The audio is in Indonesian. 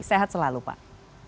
sehat selalu pak